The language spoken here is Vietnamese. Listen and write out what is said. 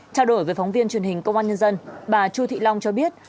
trao đổi với phóng viên truyền hình công an nhân dân bà chu thị long cho biết